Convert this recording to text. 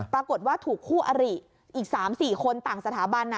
ปรากฏว่าถูกคู่อริอีก๓๔คนต่างสถาบัน